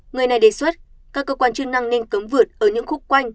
người này đề xuất các cơ quan chức năng nên cấm vượt ở những khúc quanh